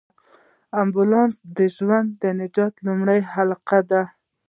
امبولانس د ژوند د نجات لومړۍ حلقه ده.